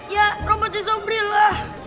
ya robotnya sobri lah